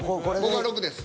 僕は６です。